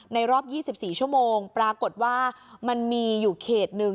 รอบ๒๔ชั่วโมงปรากฏว่ามันมีอยู่เขตหนึ่ง